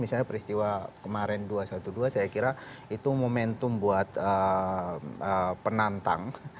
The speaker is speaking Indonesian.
misalnya peristiwa kemarin dua ratus dua belas saya kira itu momentum buat penantang